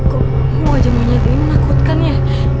kok wajah monyet ini menakutkan ya